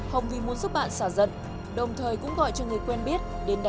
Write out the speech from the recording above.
hồng vì muốn giúp bạn xả giận đồng thời cũng gọi cho người quen biết